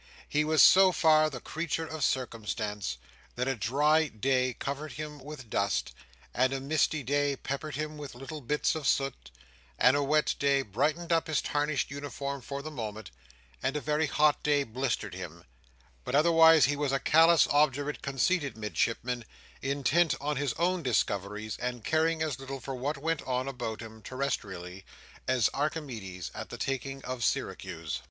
He was so far the creature of circumstances, that a dry day covered him with dust, and a misty day peppered him with little bits of soot, and a wet day brightened up his tarnished uniform for the moment, and a very hot day blistered him; but otherwise he was a callous, obdurate, conceited Midshipman, intent on his own discoveries, and caring as little for what went on about him, terrestrially, as Archimedes at the taking of Syracuse.